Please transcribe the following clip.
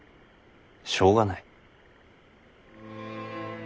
しょうがない？